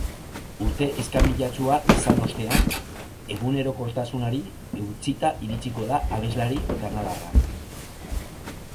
Urte iskanbilatsua izan ostean, egunerokotasunari eutsita iritsiko da abeslari kanadarra.